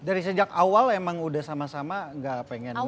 dari sejak awal emang udah sama sama gak pengen